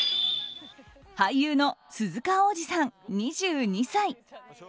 俳優の鈴鹿央士さん、２２歳。